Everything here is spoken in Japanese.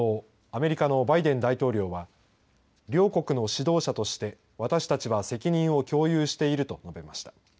アメリカのバイデン大統領は両国の指導者として私たちは責任を共有していると述べました。